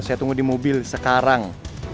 saya tunggu di mobil sekarang